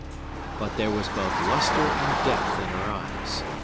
But there was both lustre and depth in her eyes.